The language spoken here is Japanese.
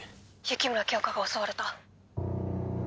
雪村京花が襲われた。